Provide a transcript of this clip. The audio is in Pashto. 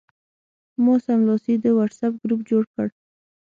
ما سملاسي د وټساپ ګروپ جوړ کړ.